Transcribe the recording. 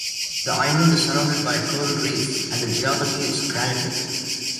The island is surrounded by a coral reef and the geology is granitic.